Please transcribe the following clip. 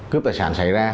cướp tài sản xảy ra